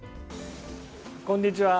こんにちは。